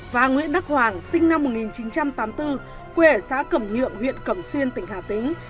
và nguyễn đắc hoàng sinh năm một nghìn chín trăm tám mươi bốn quê ở xã cẩm nhượng huyện cẩm xuyên tỉnh hà tĩnh